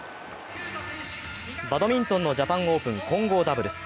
バドミントンのジャパンオープン混合ダブルス。